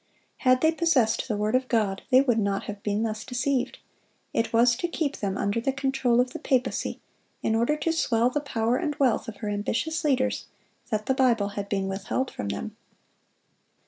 Had they possessed the word of God, they would not have been thus deceived. It was to keep them under the control of the papacy, in order to swell the power and wealth of her ambitious leaders, that the Bible had been withheld from them.